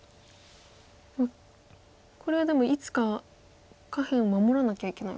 これはでもいつか下辺守らなきゃいけない。